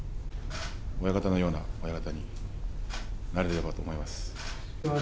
親方のような親方になれればと思います。